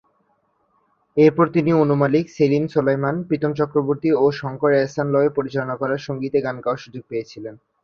এরপর তিনি অনু মালিক, সেলিম-সোলায়মান, প্রীতম চক্রবর্তী এবং শঙ্কর-এহসান-লয়ের পরিচালনা করা সঙ্গীতে গান গাওয়ার সুযোগ পেয়েছিলেন।